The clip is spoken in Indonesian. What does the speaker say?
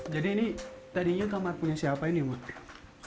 jadi ini tadinya kamar punya siapa ini mak